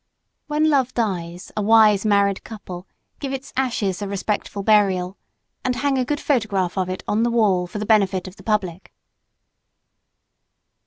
When love dies a wise married couple give its ashes a respectful burial, and hang a good photograph of it on the wall for the benefit of the public.